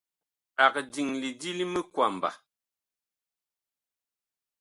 Ag diŋ lidi li miŋkwamba.